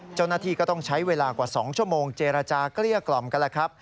เจ้าหน้าที่ก็ต้องใช้เวลากว่า๒ชั่วโมงเจรจาเกลี้ยกล่อมกันแล้วครับ